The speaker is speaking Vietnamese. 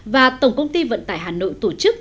và tổng công ty vận tải hà nội tổ chức